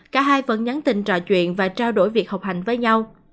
cả hai vẫn nhắn tình trò chuyện và trao đổi việc học hành với nhau